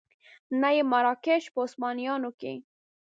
نه یې مراکش په عثمانیانو کې.